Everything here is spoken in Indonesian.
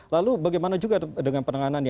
lalu bagaimana juga dengan penanganannya